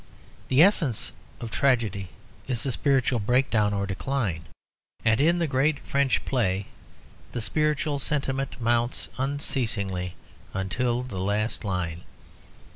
The essence of tragedy is a spiritual breakdown or decline, and in the great French play the spiritual sentiment mounts unceasingly until the last line.